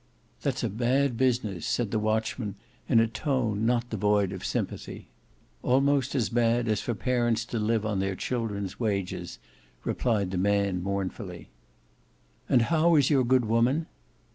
"That's a bad business," said the watchman, in a tone not devoid of sympathy. "Almost as bad as for parents to live on their childrens' wages," replied the man mournfully. "And how is your good woman?"